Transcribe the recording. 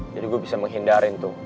jadi gua bisa menghindarin tuh